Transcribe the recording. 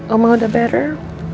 emah udah better